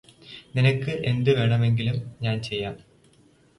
നിനക്കെന്ത് വേണമെങ്കിലും ഞാന് ചെയ്യാം